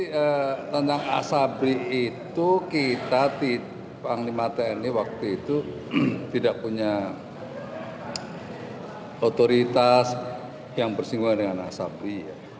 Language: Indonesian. itu nggak ngerti tentang asabri itu kita di panglima tni waktu itu tidak punya otoritas yang bersinggung dengan asabri